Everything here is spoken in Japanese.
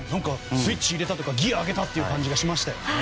スイッチ入れたというかギヤ上げた感じがしましたね。